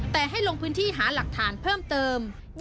แต่ให้ลงพื้นที่หาหลักฐานเพิ่มเติม